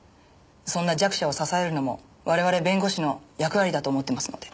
そんな弱者を支えるのも我々弁護士の役割だと思っていますので。